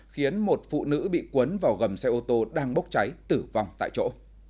khiến một phụ nữ bị cuốn vào gầm xe ô tô đang bốc cháy tử vong tại chỗ